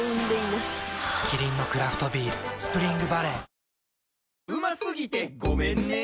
キリンのクラフトビール「スプリングバレー」